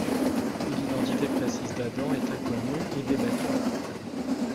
L'identité précise d'Adam est inconnue et débattue.